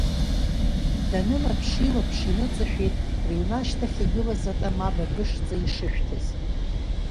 Данынаԥш илаԥш иныҵашәеит рыҩны ашьҭахь игылаз атама быбышӡа ишышәҭыз.